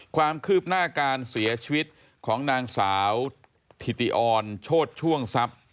ความคืบหน้าการเสียชีวิตของนางสาวถิติออนโชธช่วงทรัพย์